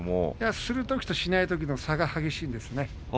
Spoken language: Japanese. するときとしないときの差が激しいんですね。